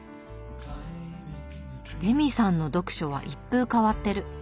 レミさんの読書は一風変わってる。